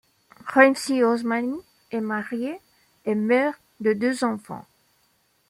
Remzie Osmani est mariée et mère de deux enfants.